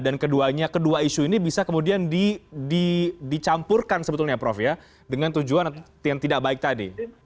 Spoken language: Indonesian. dan kedua isu ini bisa kemudian dicampurkan sebetulnya prof ya dengan tujuan yang tidak baik tadi